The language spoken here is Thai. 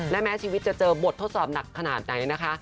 และแม้ชีวิตจะเจอบททดสอบหนักขนาดไหนนะคะ